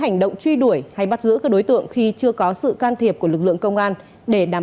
hành động truy đuổi hay bắt giữ các đối tượng khi chưa có sự can thiệp của lực lượng công an để đảm